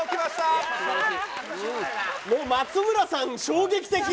もう松村さん、衝撃的。